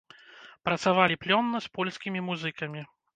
Працавалі плённа з польскімі музыкамі.